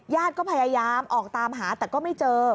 ญาติก็พยายามออกตามหาแต่ก็ไม่เจอ